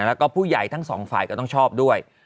แล้วก็ผู้ใหญ่ทั้งสองฝ่ายก็ต้องชอบด้วย